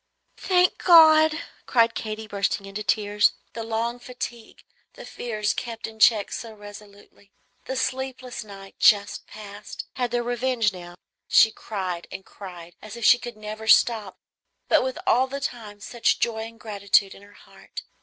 "Thank God!" cried Katy, bursting into tears. The long fatigue, the fears kept in check so resolutely, the sleepless night just passed, had their revenge now, and she cried and cried as if she could never stop, but with all the time such joy and gratitude in her heart!